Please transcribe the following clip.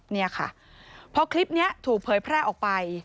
นี่ค่ะพอคลิปนี้ถูกเผยแพร่ออกไป